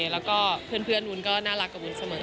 แล้วก็เพื่อนวุ้นก็น่ารักกับวุ้นเสมอ